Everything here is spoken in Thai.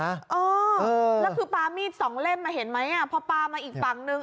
เออแล้วคือปลามีดสองเล่มมาเห็นไหมพอปลามาอีกฝั่งนึง